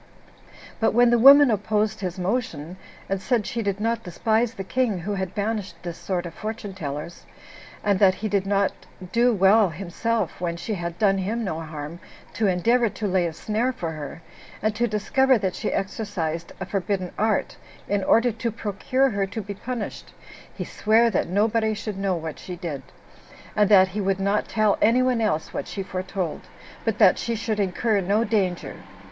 But when the woman opposed his motion, and said she did not despise the king, who had banished this sort of fortune tellers, and that he did not do well himself, when she had done him no harm, to endeavor to lay a snare for her, and to discover that she exercised a forbidden art, in order to procure her to be punished, he sware that nobody should know what she did; and that he would not tell any one else what she foretold, but that she should incur no danger.